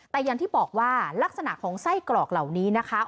แต่อย่างที่บอกว่าลักษณะของไส้กรอกเหล่านี้นะคะ